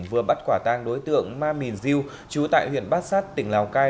vừa bắt quả tang đối tượng ma mìn diêu chú tại huyện bát sát tỉnh lào cai